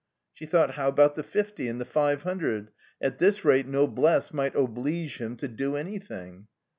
She thought: "How about the fifty and the five hundred? At this rate noblesse might oblige him to do anything."